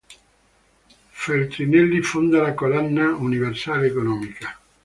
Feltrinelli fonda la collana "Universale Economica".